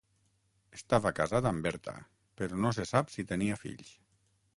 Estava casat amb Berta però no se sap si tenia fills.